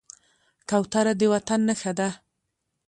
کوتره د وطن نښه ده.